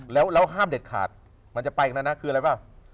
แล้วห้ามเด็ดขาดมันจะไปตรงนั้นนะคืออะไรเปล่า